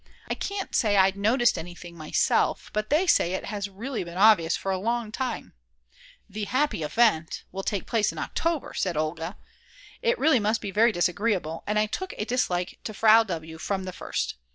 I can't say I'd noticed anything myself; but they say it has really been obvious for a long time; "the happy event!! will take place in October," said Olga. It really must be very disagreeable, and I took a dislike to Frau W. from the first.